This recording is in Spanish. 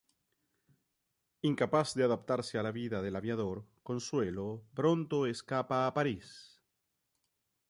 Incapaz de adaptarse a la vida del aviador, Consuelo pronto escapa a París.